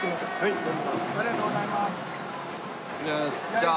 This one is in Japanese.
じゃあ。